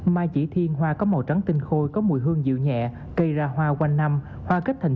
mai chỉ thiên hoa có màu trắng tinh khôi có mùi hương rượu nhẹ cây ra hoa quanh năm hoa kết thành